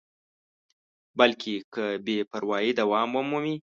بلکې که بې پروایي دوام ومومي.